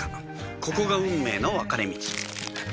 ここが運命の分かれ道